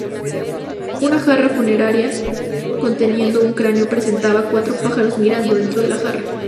Una jarra funeraria conteniendo un cráneo presentaba cuatro pájaros mirando dentro de la jarra.